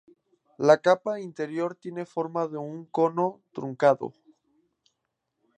La capa interior tiene forma de un cono truncado.